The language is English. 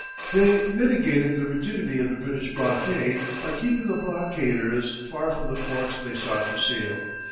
They mitigated the rigidity of the British blockade by keeping the blockaders far from the ports they sought to seal.